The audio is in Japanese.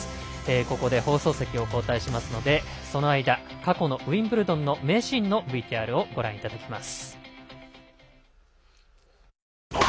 ここで放送席を交代しますのでその間、過去のウィンブルドンの名シーンのＶＴＲをご覧いただきます。